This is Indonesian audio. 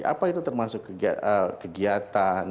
apa itu termasuk kegiatan